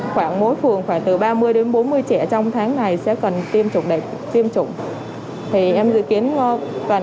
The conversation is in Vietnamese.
khoảng mỗi phường khoảng từ ba mươi đến bốn mươi trẻ trong tháng này sẽ cần tiêm chủng thì em dự kiến toàn